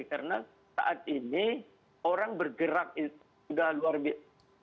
karena saat ini orang bergerak itu sudah luar biasa